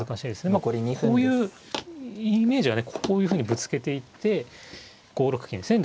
まあこういうイメージはねこういうふうにぶつけていって５六金ですね